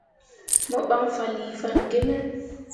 Mo ɓan fanlii fanne gi me.